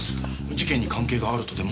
事件に関係があるとでも？